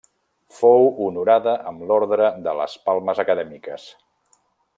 Fou honorada amb l'Ordre de les Palmes Acadèmiques.